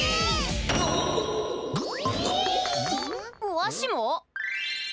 わしも？